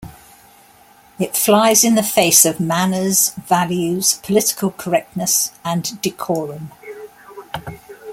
It flies in the face of manners, values, political correctness and decorum.